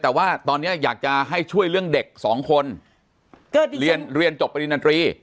แต่ว่าตอนนี้อยากจะให้ช่วยเรื่องเด็กสองคนเรียนเรียนจบปริญดนตรี